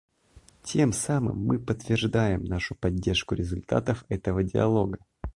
Тем самым мы подтверждаем нашу поддержку результатов этого диалога.